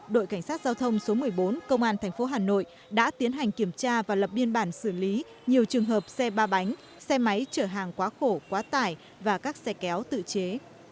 đội cảnh sát giao thông số một mươi bốn công an tp hà nội đã tiến hành kiểm tra và lập biên bản xử lý nhiều trường hợp xe ba bánh xe máy chở hàng quá khổ quá tải và các xe kéo tự chế